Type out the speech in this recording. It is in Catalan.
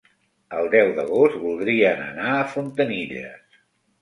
El deu d'agost voldrien anar a Fontanilles.